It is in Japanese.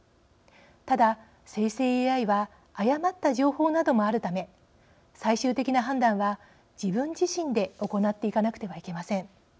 ただ、生成ＡＩは誤った情報などもあるため最終的な判断は、自分自身で行っていかなくてはいけません。